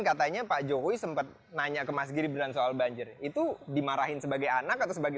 katanya pak jokowi sempat nanya ke mas gibran soal banjir itu dimarahin sebagai anak atau sebagai